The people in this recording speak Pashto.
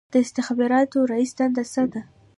د استخباراتو رییس دنده څه ده؟